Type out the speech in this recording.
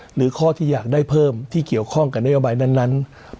หรือข้อที่อยากได้เพิ่มที่เกี่ยวข้องกับนโยบายนั้น